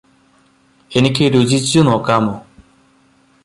എനിക്ക് രുചിച്ചു നോക്കാമോ